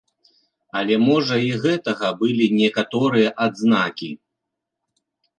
Але можа і гэтага былі некаторыя адзнакі.